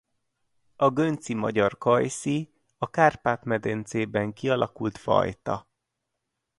A gönci magyar kajszi a Kárpát-medencében kialakult fajta.